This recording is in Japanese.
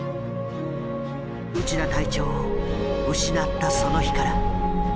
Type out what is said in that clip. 内田隊長を失ったその日から。